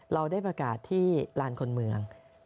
เราได้ประกาศที่ลานคนเมือง